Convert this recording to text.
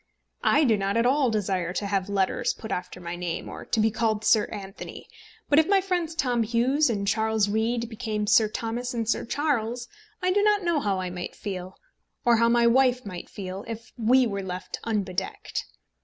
I do not at all desire to have letters put after my name, or to be called Sir Anthony, but if my friends Tom Hughes and Charles Reade became Sir Thomas and Sir Charles, I do not know how I might feel, or how my wife might feel, if we were left unbedecked.